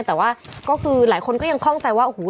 แต่ว่าก็คือหลายคนก็ยังคล่องใจว่าโอ้โห